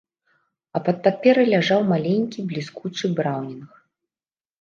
А пад паперай ляжаў маленькі бліскучы браўнінг.